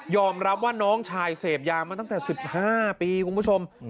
รับว่าน้องชายเสพยามาตั้งแต่๑๕ปีคุณผู้ชม